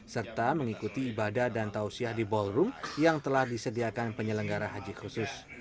serta mengikuti ibadah dan tausiah di ballroom yang telah disediakan penyelenggara haji khusus